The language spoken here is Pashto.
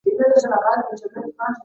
لوی حوض یې ښکلا نوره هم ډېره کړې.